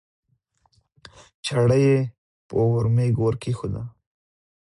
چړه یې په ورمېږ ورکېښوده